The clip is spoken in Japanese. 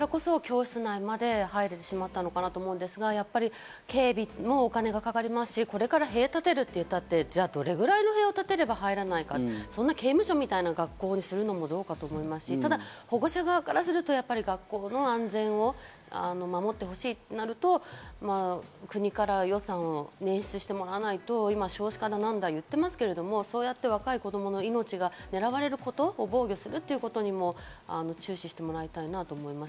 おっしゃる通り、違和感がなかったからこそ、教室まで入れたんじゃないかと思いますが、警備もお金がかかりますし、これから塀をたてるって言ったって、どれぐらいの塀を建てれば入れないか、そんな刑務所みたいな学校にするのも、どうかと思いますし、ただ、保護者側からすると学校の安全を守ってほしいとなると、国から予算を捻出してもらわないと、今、少子化だなんだ言ってますけど、若い子供の命が狙われることを防御するということにも注視してもらいたいと思います。